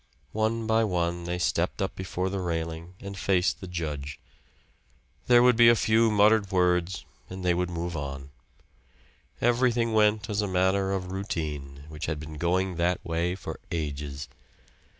One by one they stepped up before the railing and faced the judge; there would be a few muttered words and they would move on. Everything went as a matter of routine, which had been going that way for ages.